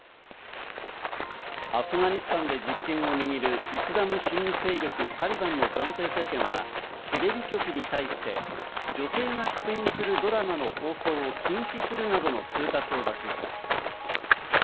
アフガニスタンで実権を握るイスラム主義勢力・タリバンの暫定政権は、テレビ局に対して女性が出演するドラマの放送を禁止するなどの通達を出しました。